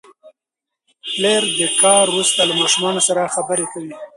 پلر د کار وروسته له ماشومانو سره خبرې کوي